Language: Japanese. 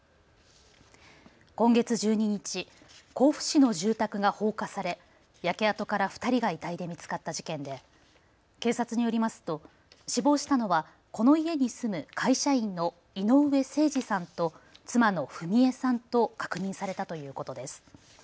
今月１２日、甲府市の住宅が放火され焼け跡から２人が遺体で見つかった事件で警察によりますと死亡したのは、この家に住む会社員の井上盛司さんと妻の章惠さんと確認されたということです。